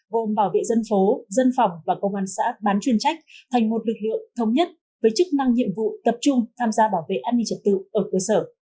gồm bảo vệ dân phố dân phòng và công an xã bán chuyên trách thành một lực lượng thống nhất với chức năng nhiệm vụ tập trung tham gia bảo vệ an ninh trật tự ở cơ sở